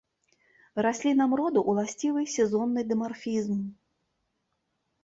Раслінам роду ўласцівы сезонны дымарфізм.